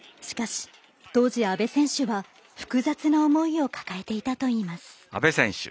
しかし当時、阿部選手は複雑な思いを抱えていたといいます。